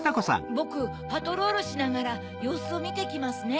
ボクパトロールしながらようすをみてきますね。